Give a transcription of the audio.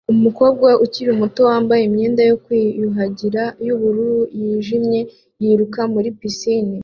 Umukobwa ukiri muto wambaye imyenda yo kwiyuhagira yubururu nijimye yiruka muri pisine